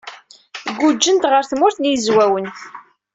Guǧǧent ɣer Tmurt n Yizwawen.